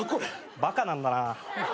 バカなんだな。